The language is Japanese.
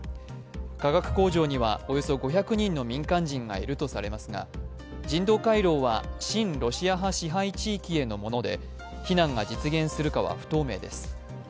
化学工場には、およそ５００人の民間人がいるとされますが、人道回廊は親ロシア派支配地域へのもので避難が実現するかは不透明です。